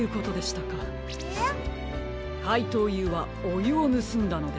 かいとうＵはおゆをぬすんだのです。